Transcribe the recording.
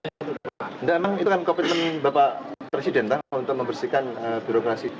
tidak memang itu kan komitmen bapak presiden bang untuk membersihkan birokrasi